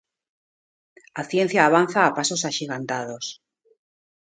A ciencia avanza a pasos axigantados.